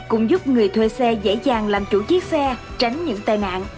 cũng giúp người thuê xe dễ dàng làm chủ chiếc xe tránh những tai nạn